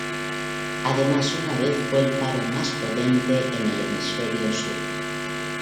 Además una vez fue el faro más potente en el hemisferio sur.